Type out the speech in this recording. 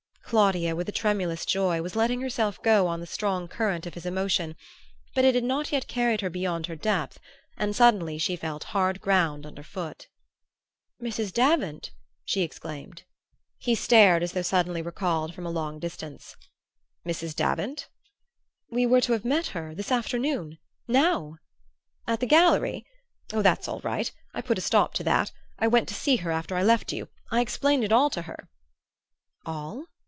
Claudia, with a tremulous joy, was letting herself go on the strong current of his emotion; but it had not yet carried her beyond her depth, and suddenly she felt hard ground underfoot. "Mrs. Davant " she exclaimed. He stared, as though suddenly recalled from a long distance. "Mrs. Davant?" "We were to have met her this afternoon now " "At the gallery? Oh, that's all right. I put a stop to that; I went to see her after I left you; I explained it all to her." "All?"